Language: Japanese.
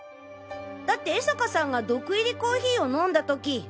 だって江坂さんが毒入りコーヒーを飲んだとき